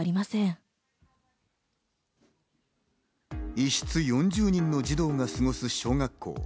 一室４０人の児童が過ごす小学校。